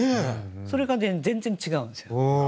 それが全然違うんですよ。